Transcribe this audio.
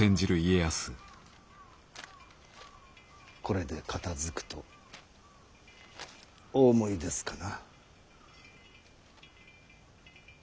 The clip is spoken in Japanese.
これで片づくとお思いですかな？